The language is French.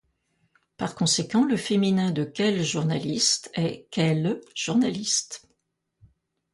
Par conséquent, le féminin de "quel journaliste" est "quelle journaliste".